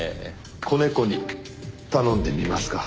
子猫に頼んでみますか。